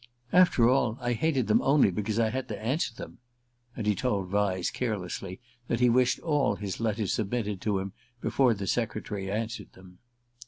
"After all, I hated them only because I had to answer them"; and he told Vyse carelessly that he wished all his letters submitted to him before the secretary answered them.